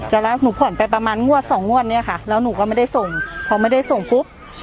แล้วหนูผ่อนไปประมาณงวดสองงวดเนี้ยค่ะแล้วหนูก็ไม่ได้ส่งพอไม่ได้ส่งปุ๊บ